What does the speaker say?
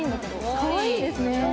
かわいいですね。